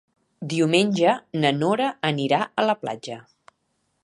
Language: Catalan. Diumenge na Nora anirà a la platja.